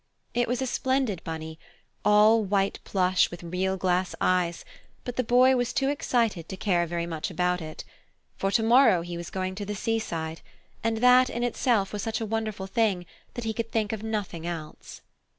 It was a splendid bunny, all white plush with real glass eyes, but the Boy was too excited to care very much about it. For to morrow he was going to the seaside, and that in itself was such a wonderful thing that he could think of nothing else.